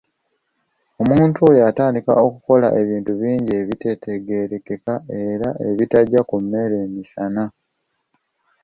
Omuntu oyo atandika okukola ebintu bingi ebitategeerekeka era ebitajja ku mmere misana!